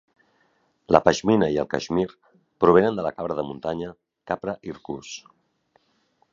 La pashmina i el cashmere provenen de la cabra de muntanya "capra hircus".